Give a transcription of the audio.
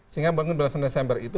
sehingga bangun belasan desember itu